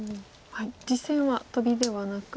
実戦はトビではなく。